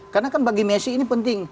karena kan bagi messi ini penting